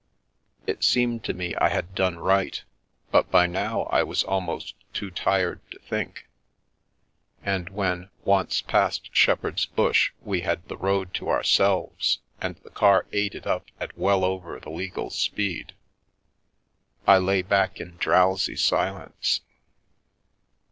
It seemed to me I had done right, but by now I was almost too tired to think, and when, once past Shepherd's Bush we had the road to ourselves and the car ate it up at well over the legal speed, I lay back in drowsy silence.